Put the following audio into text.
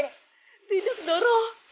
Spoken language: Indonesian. ini akibat padaku